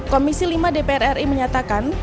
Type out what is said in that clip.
komisi lima dpr ri menyatakan